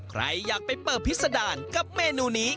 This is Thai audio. ใครอยากไปเปิดพิษดารกับเมนูนี้